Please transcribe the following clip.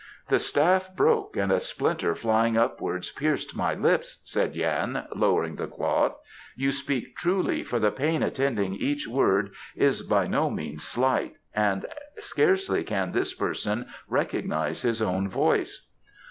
"The staff broke and a splinter flying upwards pierced my lips," said Yan, lowering the cloth. "You speak truly, for the pain attending each word is by no means slight, and scarcely can this person recognize his own voice."